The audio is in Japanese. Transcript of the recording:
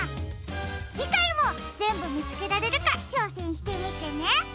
じかいもぜんぶみつけられるかちょうせんしてみてね！